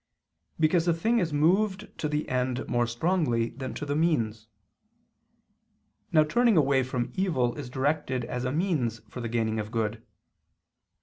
Because a thing is moved to the end more strongly than to the means. Now turning away from evil is directed as a means to the gaining of good.